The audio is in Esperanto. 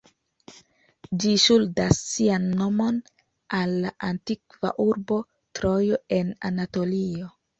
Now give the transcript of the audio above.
Ĝi ŝuldas sian nomon al la antikva urbo Trojo en Anatolio.